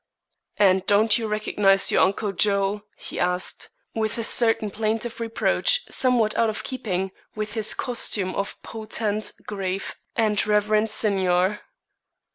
"And don't you recognize your Uncle Joe?" he asked, with a certain plaintive reproach somewhat out of keeping with his costume of "potent, grave, and reverend signior."